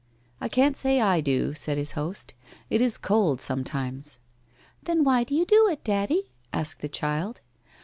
'I can't say I do/ said his host; 'it is cold some times/ ' Then why do you do it, Daddy? ' asked the child.